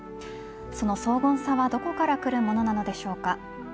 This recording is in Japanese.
その荘厳さはどこから来るものなのでしょうか。